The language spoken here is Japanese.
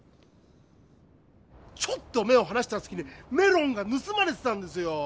ちょっと目をはなしたすきにメロンがぬすまれてたんですよ！